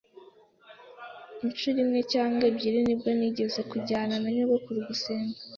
Inshuro imwe cyangwa ebyiri nibwo nigeze kujyana na nyogokuru gusenga.